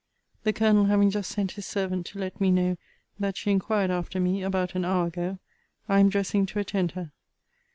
The Colonel having just sent his servant to let me know that she inquired after me about an hour ago, I am dressing to attend her.